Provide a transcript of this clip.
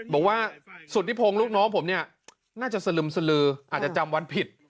บอกว่าสุธิพงศ์ลูกน้องผมเนี่ยน่าจะสลึมสลืออาจจะจำวันผิด